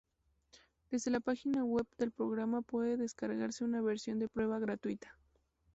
Desde la página web del programa puede descargarse una versión de prueba gratuita.